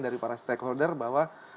dari para stakeholder bahwa